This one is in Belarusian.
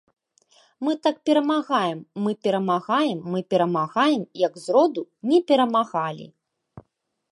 Мы так перамагаем, мы перамагаем, мы перамагаем, як зроду не перамагалі.